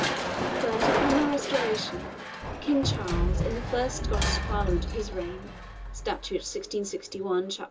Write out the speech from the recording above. But upon the Restoration, King Charles, in the first Scottish Parliament of his reign (statute 1661, chap.